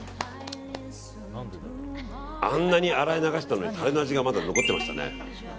あんなに洗い流したのにタレの味が残ってましたね。